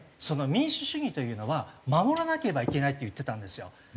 その民主主義というのは守らなければいけないって言ってたんですよ。